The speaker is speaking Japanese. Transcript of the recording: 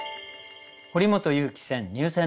堀本裕樹選